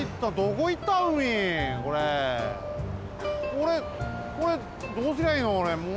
これこれどうすりゃいいの？